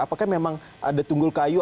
apakah memang ada tunggul kayu